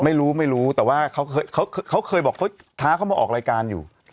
ไม่รู้ไม่รู้แต่ว่าเขาเคยบอกเขาท้าเขามาออกรายการอยู่